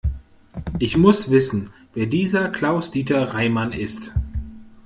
Ich muss wissen, wer dieser Klaus-Dieter Reimann ist.